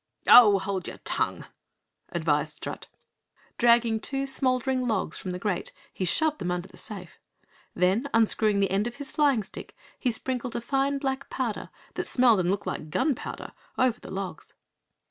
"Oh, hold your tongue!" advised Strut. Dragging two smouldering logs from the grate, he shoved them under the safe. Then, unscrewing the end of his flying stick, he sprinkled a fine, black powder that smelled and looked like gun powder, over the logs.